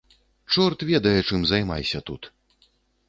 Чорт ведае чым займайся тут.